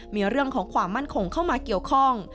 มีเรื่องของความมั่นคงเข้ามาเกี่ยวข้อง